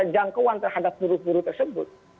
jangkauan terhadap buruh buru tersebut